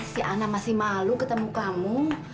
si anno masih maluc ketemu kamu